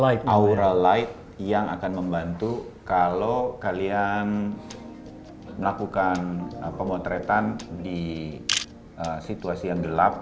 light aura light yang akan membantu kalau kalian melakukan pemotretan di situasi yang gelap